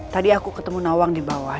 tadi aku ketemu nawang di bawah